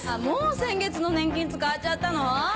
もう先月の年金使っちゃったの？